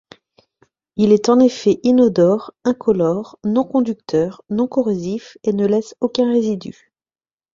Il est en effet inodore, incolore, non-conducteur, non corrosif et ne laisse aucun résidu.